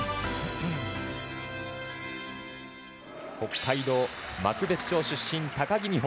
北海道幕別町出身、高木美帆。